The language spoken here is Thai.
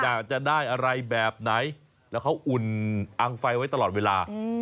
อยากจะได้อะไรแบบไหนแล้วเขาอุ่นอังไฟไว้ตลอดเวลา